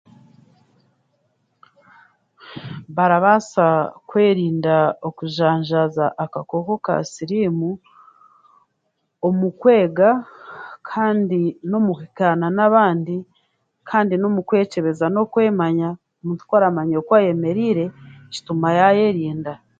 Barabaasa kwerinda okuzaajanza akakooko ka siriimu omu kwega kandi n'omu kuhikaana n'abandi kandi n'omu kwekyebeza n'okwemanya, omuntu ku aramanya oku ayemereire kituma yaayerinda